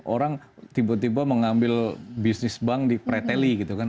orang tiba tiba mengambil bisnis bank di preteli gitu kan